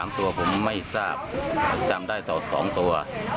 ๓ตัวผมไม่ทราบจำได้๒ตัว